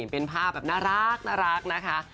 เป็นภาพแบบน่ารักนะคะ